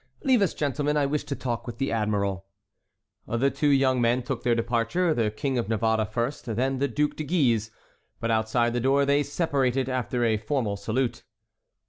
Leave us, gentlemen. I wish to talk with the admiral." The two young men took their departure; the King of Navarre first, then the Duc de Guise; but outside the door they separated, after a formal salute.